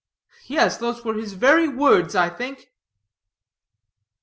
Yes, these were his very words, I think."